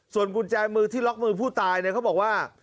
ส่วนกุญแจมือที่ล็อกมือผู้ตายเนี่ยเขาบอกว่า